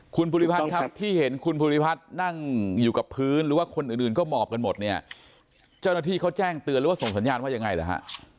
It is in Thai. คุณภูริพัฒน์ครับที่เห็นคุณภูริพัฒน์นั่งอยู่กับพื้นหรือว่าคนอื่นอื่นก็หมอบกันหมดเนี่ยเจ้าหน้าที่เขาแจ้งเตือนหรือว่าส่งสัญญาณว่ายังไงหรือฮะ